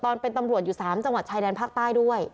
เป็นตำรวจอยู่๓จังหวัดชายแดนภาคใต้ด้วย